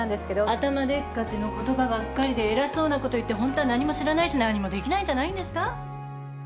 頭でっかちの言葉ばっかりで偉そうなこと言ってホントは何も知らないし何にもできないんじゃないですか？